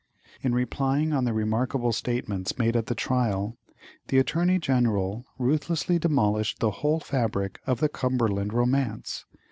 In replying on the remarkable statements made at the trial, the Attorney General ruthlessly demolished the whole fabric of the "Cumberland romance."